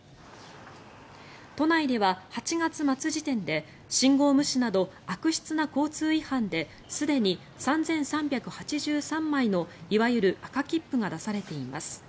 都内では８月末時点で信号無視など悪質な交通違反ですでに３３８３枚のいわゆる赤切符が出されています。